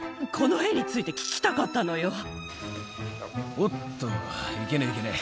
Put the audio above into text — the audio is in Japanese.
おっといけねえいけねえ。